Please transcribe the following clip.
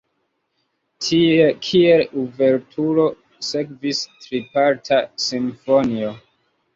Kiel uverturo sekvis triparta simfonio.